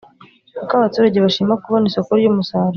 Uko abaturage bashima kubona isoko ry’umusaruro